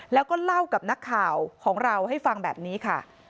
แล้วก็เล่ากับนักข่าวของเราให้ฟังแบบนี้ค่ะ